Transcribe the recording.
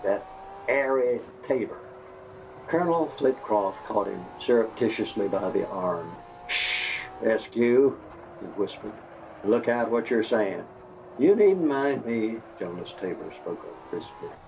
That Arie Tabor " Colonel Flitcroft caught him surreptitiously by the arm. "SH, Eskew!" he whispered. "Look out what you're sayin'!" "You needn't mind me," Jonas Tabor spoke up, crisply.